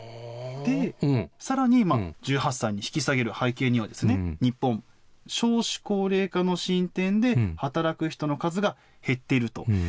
で、さらに１８歳に引き下げる背景には、日本、少子高齢化の進展で働く人の数が減っていると。